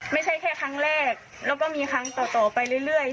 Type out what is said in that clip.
ไม่ใช่แค่ครั้งแรกแล้วก็มีครั้งต่อไปเรื่อย